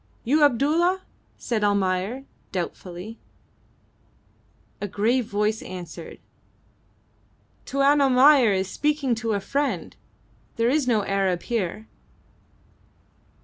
"You Abdulla?" said Almayer, doubtfully. A grave voice answered "Tuan Almayer is speaking to a friend. There is no Arab here."